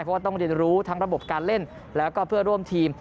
เพราะว่าต้องเรียนรู้ทั้งระบบการเล่นแล้วก็เพื่อร่วมทีม